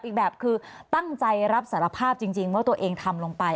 อีกแบบคือตั้งใจรับสารภาพจริงว่าตัวเองทำลงไป